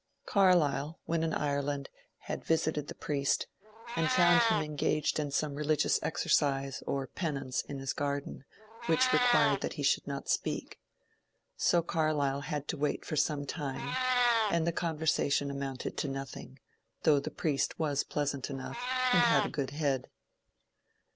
Carlyle, when in Ire laud, had visited the priest, and found him engaged in some religious exercise or penance in his garden, which required that he should not speak. So Carlyle had to wait for some time, and the conversation amounted to nothing, — though the priest was pleasant enough and had a good head.